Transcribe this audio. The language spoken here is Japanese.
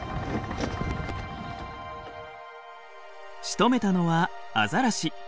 しとめたのはアザラシ。